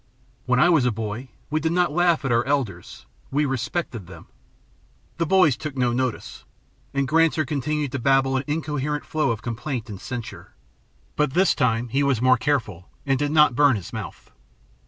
"When I was a boy, we did not laugh at our elders; we respected them." The boys took no notice, and Granser continued to babble an incoherent flow of complaint and censure. But this time he was more careful, and did not burn his mouth.